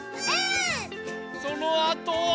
そのあとは。